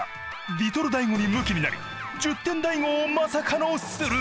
リトル大悟にむきになり１０点大悟をまさかのスルー！